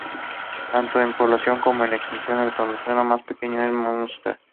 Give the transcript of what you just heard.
Tanto en población como en extensión, es el condado más pequeño de Munster.